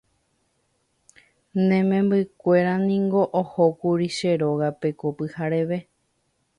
Ne membykuñániko ohókuri che rógape ko pyhareve